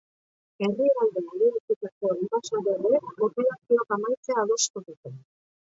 Herrialde aliatuetako enbaxadoreek operazioak amaitzea adostu dute.